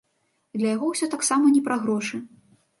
Для яго ўсё таксама не пра грошы.